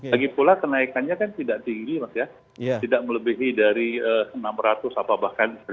lagipula kenaikannya kan tidak tinggi tidak melebihi dari enam ratus atau bahkan seribu